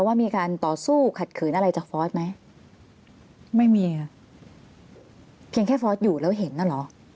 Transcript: ว่ามีการต่อสู้ขัดขืนอะไรจากฟอสไหมไม่มีค่ะเพียงแค่ฟอสอยู่แล้วเห็นน่ะเหรอ